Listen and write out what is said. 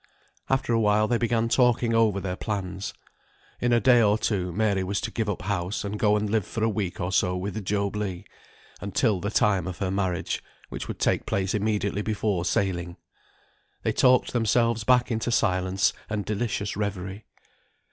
After a while they began talking over their plans. In a day or two, Mary was to give up house, and go and live for a week or so with Job Legh, until the time of her marriage, which would take place immediately before sailing; they talked themselves back into silence and delicious reverie.